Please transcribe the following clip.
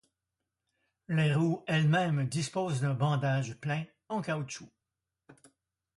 Les roues elles-mêmes disposent d’un bandage plein en caoutchouc.